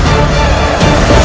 dia tidak hel tank